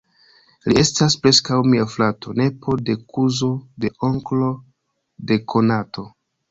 Li estas preskaŭ mia frato: nepo de kuzo de onklo de konato.